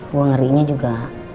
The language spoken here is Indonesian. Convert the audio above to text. gue ngeriinnya juga